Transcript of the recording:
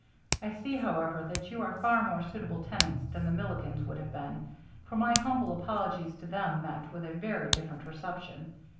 I see, however, that you are far more suitable tenants than the Milligans would have been, for my humble apologies to them met with a very different reception.